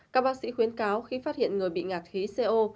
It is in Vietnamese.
các bác sĩ khuyến cáo khi phát hiện người bị ngạc khí co